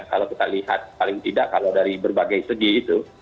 kalau kita lihat paling tidak kalau dari berbagai segi itu